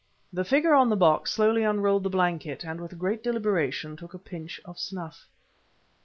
The figure on the box slowly unrolled the blanket, and with great deliberation took a pinch of snuff.